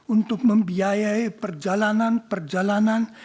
untuk membiayai perjalanan perjalanan